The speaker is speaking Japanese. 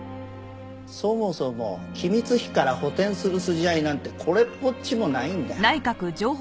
そもそも機密費から補填する筋合いなんてこれっぽっちもないんだ。